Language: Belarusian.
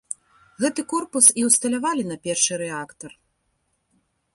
Гэты корпус і ўсталявалі на першы рэактар.